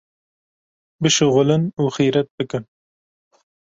bişuxulin û xîretbikin.